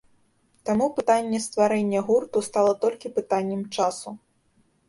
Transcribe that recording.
Таму пытанне стварэння гурту стала толькі пытаннем часу.